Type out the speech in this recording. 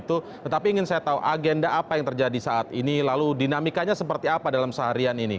tetapi ingin saya tahu agenda apa yang terjadi saat ini lalu dinamikanya seperti apa dalam seharian ini